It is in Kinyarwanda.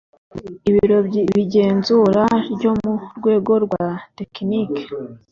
Ibiro by igenzura ryo mu rwego rwa tekiniki